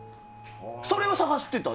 それを探してた？